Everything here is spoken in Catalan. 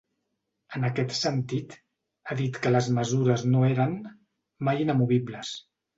En aquest sentit, ha dit que les mesures no eren “mai inamovibles”.